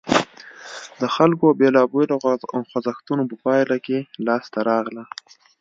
د خلکو بېلابېلو خوځښتونو په پایله کې لاسته راغله.